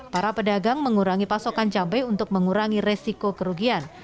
para pedagang mengurangi pasokan cabai untuk mengurangi resiko kerugian